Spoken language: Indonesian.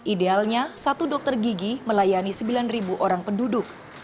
idealnya satu dokter gigi melayani sembilan orang penduduk